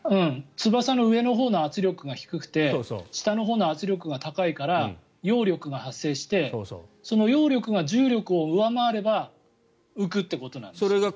翼の上のほうの圧力が低くて下のほうの圧力が高いから揚力が発生してその揚力が重力を上回れば浮くということなんですよね。